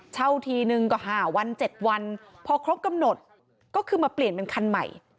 ทีนึงก็๕วัน๗วันพอครบกำหนดก็คือมาเปลี่ยนเป็นคันใหม่